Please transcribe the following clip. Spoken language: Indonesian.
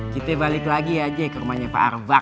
kita balik lagi aja ke rumahnya pak arfak